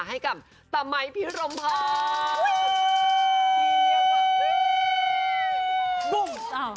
ให้กับตะไหมพิครมภอม